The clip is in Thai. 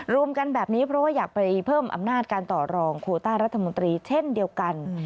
รวมกันแบบนี้เพราะว่าอยากไปเพิ่มอำนาจการต่อรองโคต้ารัฐมนตรีเช่นเดียวกัน